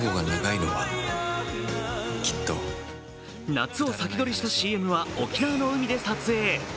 夏を先取りしたＣＭは沖縄の海で撮影。